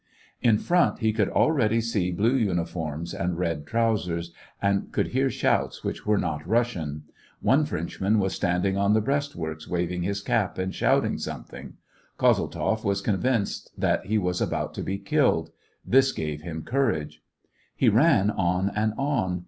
In front, he could already see blue uniforms and / SEVASTOPOL IN AUGUST. 249 red trousers, and could hear shouts which were not Russian ; one Frenchman was standing on the ^l)reastworks, waving his cap, and shouting some thing. Kozeltzoff was convinced that he was about to be killed ; this gave him courage. He ran on and on.